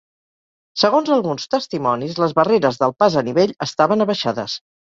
Segons alguns testimonis, les barreres del pas a nivell estaven abaixades.